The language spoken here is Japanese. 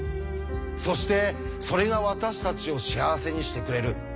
そしてそれが私たちを幸せにしてくれる。